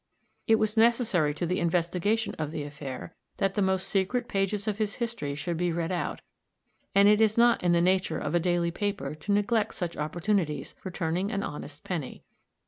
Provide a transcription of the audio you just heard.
It was necessary to the investigation of the affair, that the most secret pages of his history should be read out and it is not in the nature of a daily paper to neglect such opportunities for turning an honest penny.